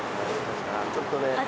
ちょっとね。